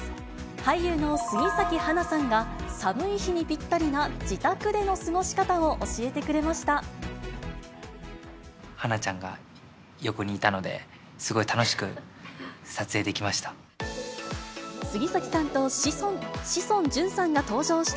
俳優の杉咲花さんが寒い日にぴったりな自宅での過ごし方を教えて花ちゃんが横にいたので、すごい楽しく撮影できました。